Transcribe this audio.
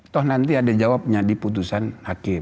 toh nanti ada jawabnya di putusan hakim